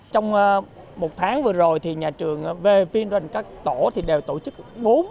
trong một tháng vừa rồi nhà trường về phiên luận các tổ đều tổ chức vốn